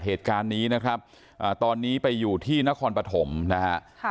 เหตุการณ์นี้นะครับตอนนี้ไปอยู่ที่นครปฐมนะฮะ